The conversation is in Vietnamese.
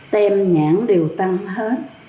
tên nhãn đều tăng hết